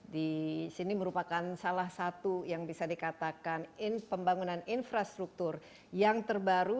di sini merupakan salah satu yang bisa dikatakan pembangunan infrastruktur yang terbaru